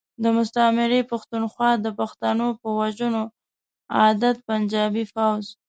د مستعمرې پختونخوا د پښتنو په وژنو عادت پنجابی فوځ.